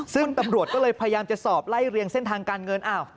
ซึ่งตำรวจก็เลยพยายามจะสอบไล่เรียงเส้นทางการเงิน